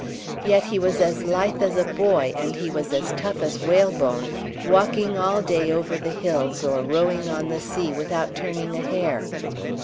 Yet he was as lithe as a boy, and he was as tough as whalebone, walking all day over the hills or rowing on the sea without turning a hair.